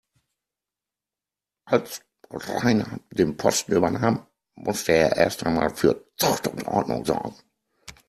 Als Rainer den Posten übernahm, musste er erst einmal für Zucht und Ordnung sorgen.